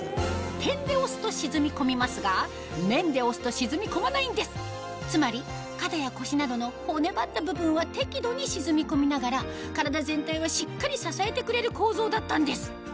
点で押すと沈み込みますが面で押すと沈み込まないんですつまり肩や腰などの骨ばった部分は適度に沈み込みながら体全体はしっかり支えてくれる構造だったんです